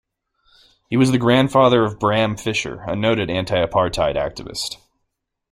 He was the grandfather of Bram Fischer, a noted anti-apartheid activist.